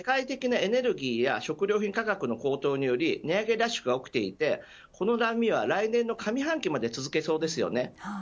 しかし、世界的なエネルギーや食料品価格の高騰により値上げラッシュが起きていてこの波は来年の上半期まで続きそうです。